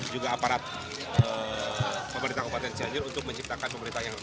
juga aparat pemerintah kabupaten cianjur untuk menciptakan pemerintah yang